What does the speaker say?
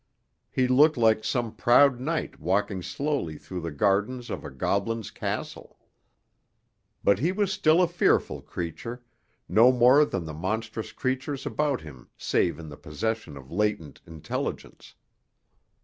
He looked like some proud knight walking slowly through the gardens of a goblin's castle. But he was still a fearful creature, no more than the monstrous creatures about him save in the possession of latent intelligence.